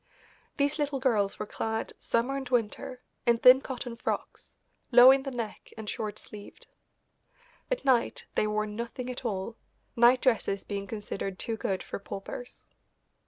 These little girls were clad, summer and winter, in thin cotton frocks, low in the neck and short sleeved. At night they wore nothing at all, night dresses being considered too good for paupers.